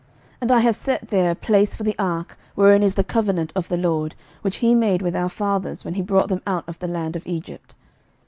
11:008:021 And I have set there a place for the ark, wherein is the covenant of the LORD, which he made with our fathers, when he brought them out of the land of Egypt.